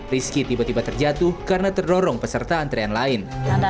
rizky tiba tiba terjatuh karena terdorong peserta antrean lain